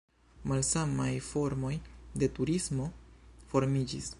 Malsamaj formoj de turismo formiĝis.